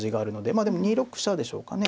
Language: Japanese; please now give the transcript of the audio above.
まあでも２六飛車でしょうかね。